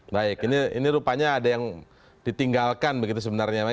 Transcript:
baik ini rupanya ada yang ditinggalkan begitu sebenarnya